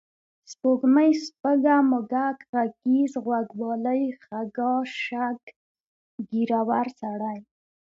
سپوږمۍ، سپږه، موږک، غږیز، غوږ والۍ، خَږا، شَږ، ږېرور سړی